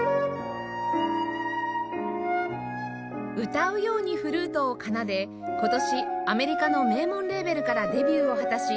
歌うようにフルートを奏で今年アメリカの名門レーベルからデビューを果たし